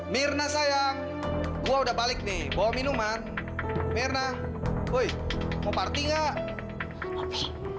mirna sayang gue udah balik nih bawa minuman mirna weh mau party nggak